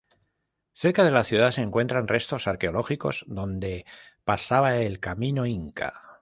Cerca de la ciudad se encuentra restos arqueológicos donde pasaba el camino Inca.